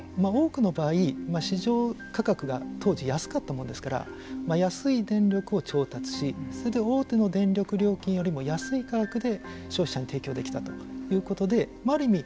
彼らのビジネスモデルは多くの場合市場価格が投じやすかったもんですから安い電力を調達しそれで大手の電力料金よりも安い価格で消費者に提供できたということである意味